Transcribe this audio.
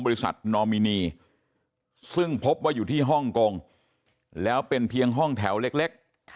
นอมินีซึ่งพบว่าอยู่ที่ฮ่องกงแล้วเป็นเพียงห้องแถวเล็ก